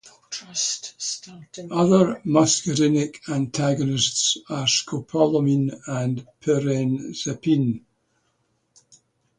Other muscarinic antagonists are scopolamine and pirenzepine.